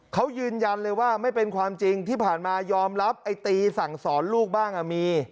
เขายืนยันเลยว่าไม่เป็นความจริงที่ผ่านมายอมรับไอ้ตีสั่งสอนลูกบ้างมี